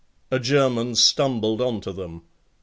A German stumbled on to them.